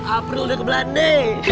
april udah ke belanda